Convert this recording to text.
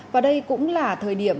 và đây cũng là thời điểm